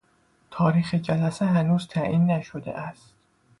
تاریخ جلسه هنوز تعیین نشده است.